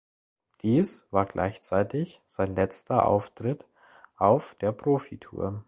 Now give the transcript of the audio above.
Dies war gleichzeitig sein letzter Auftritt auf der Profitour.